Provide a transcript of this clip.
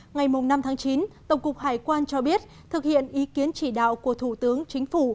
ngày năm tháng chín tổng cục hải quan cho biết thực hiện ý kiến chỉ đạo của thủ tướng chính phủ